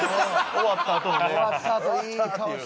終わったあといい顔してる。